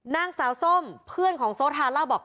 นางสาวส้มเพื่อนของโซฮาเล่าบอก